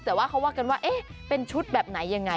แต่ว่าเขาว่ากันว่าเอ๊ะเป็นชุดแบบไหนยังไง